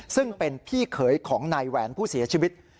ซึ่งเป็นพี่เขยของนายแหวนผู้เสียชีวิต